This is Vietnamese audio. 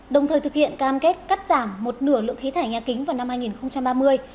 đồng thời thực hiện cam kết cắt giảm một nửa lượng khí thải nhà kính vào năm hai nghìn ba mươi